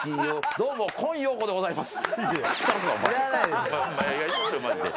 どうも今陽子ございます。